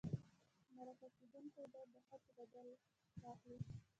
مرکه کېدونکی باید د هڅو بدل واخلي.